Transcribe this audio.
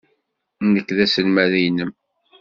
Nekk d aselmad-nnem.